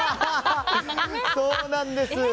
そうなんです。